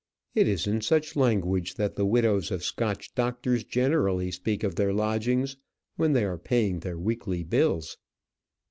It is in such language that the widows of Scotch doctors generally speak of their lodgings when they are paying their weekly bills.